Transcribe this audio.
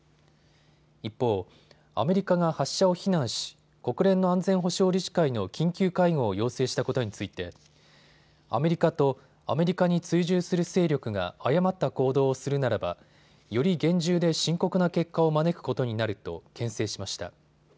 一方、アメリカが発射を非難し国連の安全保障理事会の緊急会合を要請したことについてアメリカとアメリカに追従する勢力が誤った行動をするならばより厳重で深刻な結果を招くことになると、けん制しました。